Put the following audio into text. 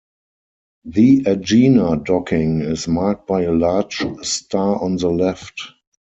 The Agena docking is marked by a large star on the left.